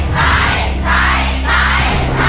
ใช่